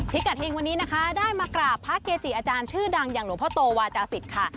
กัดเฮงวันนี้นะคะได้มากราบพระเกจิอาจารย์ชื่อดังอย่างหลวงพ่อโตวาจาศิษย์ค่ะ